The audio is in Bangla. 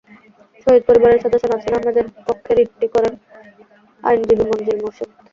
শহীদ পরিবারের সদস্য নাসরিন আহমেদের পক্ষে রিটটি করেন আইনজীবী মনজিল মোরসেদ।